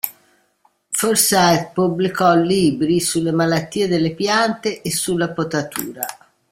Forsyth pubblicò libri sulle malattie delle piante e sulla potatura.